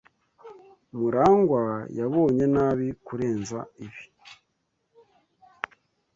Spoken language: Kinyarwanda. Murangwa yabonye nabi kurenza ibi.